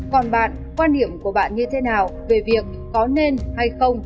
còn bạn quan điểm của bạn như thế nào về việc có nên hay không